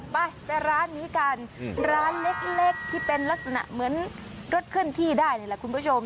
ไปไปร้านนี้กันร้านเล็กที่เป็นลักษณะเหมือนรถเคลื่อนที่ได้นี่แหละคุณผู้ชม